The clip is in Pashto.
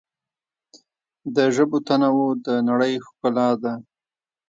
د ژبو تنوع د نړۍ ښکلا ده.